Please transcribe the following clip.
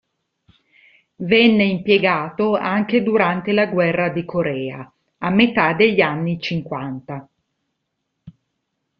Venne impiegato anche durante la guerra di Corea a metà degli anni cinquanta.